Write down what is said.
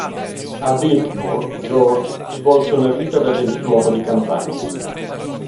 A Biltmore, George svolse una vita da gentiluomo di campagna.